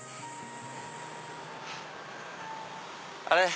あれ？